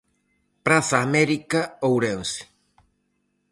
Praza América Ourense.